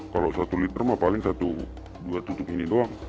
kalau satu liter maka paling dua tutup ini doang